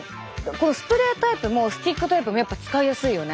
このスプレータイプもスティックタイプもやっぱ使いやすいよね。